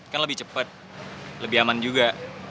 kan lebih cepat lebih aman juga